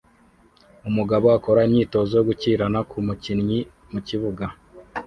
Umugabo akora imyitozo yo gukirana kumukinnyi mukibuga